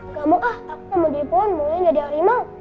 nggak mau aku mau jadi pohon maunya jadi harimau